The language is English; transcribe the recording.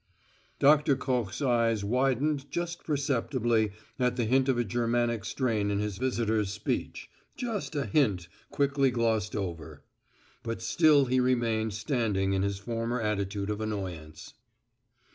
Doctor Koch's eyes widened just perceptibly at the hint of a Germanic strain in his visitor's speech just a hint quickly glossed over. But still he remained standing in his former attitude of annoyance.